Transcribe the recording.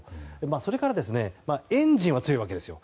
それからエンジンは強いわけですよ。